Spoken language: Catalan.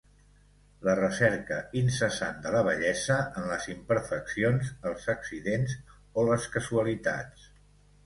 La recerca incessant de la bellesa en les imperfeccions, els accidents o les casualitats.